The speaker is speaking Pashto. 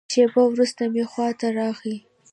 شېبه وروسته مې خوا ته راغی.